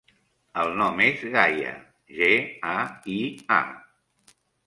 El nom és Gaia: ge, a, i, a.